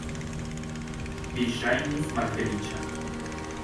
Vi ŝajnis malfeliĉa.